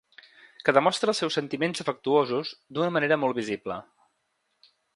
Que demostra els seus sentiments afectuosos d'una manera molt visible.